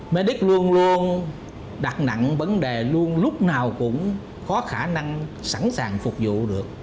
medic luôn luôn đặt nặng vấn đề luôn lúc nào cũng có khả năng sẵn sàng phục vụ được